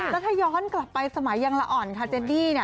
แล้วถ้าย้อนกลับไปสมัยยังละอ่อนค่ะเจนดี้เนี่ย